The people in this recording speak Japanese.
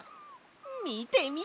みてみて！